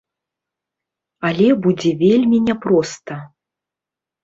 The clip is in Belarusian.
Але будзе вельмі няпроста.